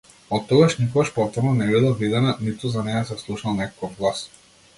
Оттогаш никогаш повторно не била видена, ниту за неа се слушнал некаков глас.